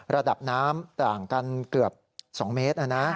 ระดับน้ำต่างกันเกือบ๒เมตร